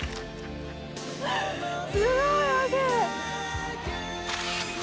すごい汗！